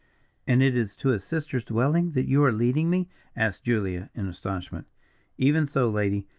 "And it is to his sister's dwelling that you are leading me?" asked Julia, in astonishment. "Even so, lady.